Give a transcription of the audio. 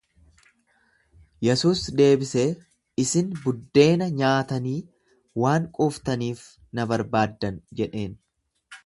Yesuus deebisee, Isin buddeena nyaatanii waan quuftaniif na barbaaddan jedheen.